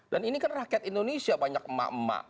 dan ini kan rakyat indonesia banyak emak emak